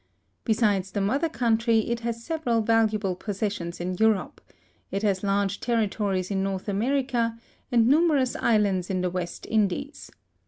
Besides the mother country, it has several valuable possessions in Europe; it has large territories in North America; and numerous islands in the West Indies.